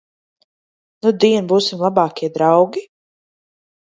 Nudien būsim labākie draugi?